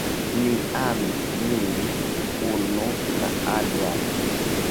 Ni amis nin unu la alian.